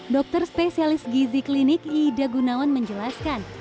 dokter spesialis gizi klinik ida gunawan menjelaskan